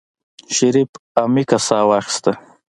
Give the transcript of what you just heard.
شريف عميقه سا واخيسته.